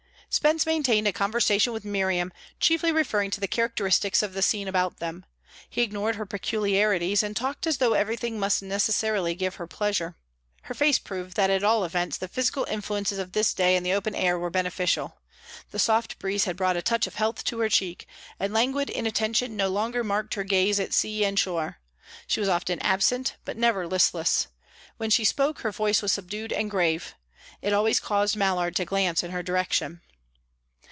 Spence maintained a conversation with Miriam, chiefly referring to the characteristics of the scene about them; he ignored her peculiarities, and talked as though everything must necessarily give her pleasure. Her face proved that at all events the physical influences of this day in the open air were beneficial. The soft breeze had brought a touch of health to her cheek, and languid inattention no longer marked her gaze at sea and shore; she was often absent, but never listless. When she spoke, her voice was subdued and grave; it always caused Mallard to glance in her direction.